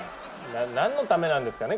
何のためなんですかね